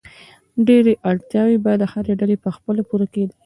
ډېری اړتیاوې به د هرې ډلې په خپله پوره کېدې.